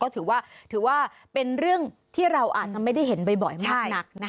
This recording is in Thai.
แต่ก็ถือว่าเป็นเรื่องที่เราอาจจะไม่ได้เห็นบ่อยมากนะ